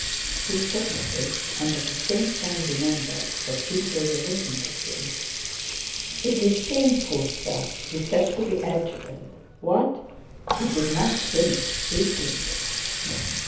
He thought this, and at the same time remembered that people were looking at him. "It's shameful, sir!" he said to the adjutant. "What..." He did not finish speaking.